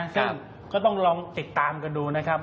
ซึ่งก็ต้องลองติดตามกันดูนะครับ